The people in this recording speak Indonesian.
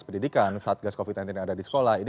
pendidikan satgas covid sembilan belas yang ada di sekolah ini